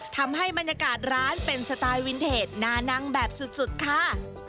ทำให้บรรยากาศร้านเป็นสไตล์วินเทจนานังแบบสุดค่ะ